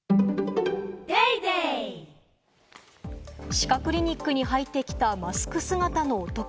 歯科クリニックに入ってきたマスク姿の男。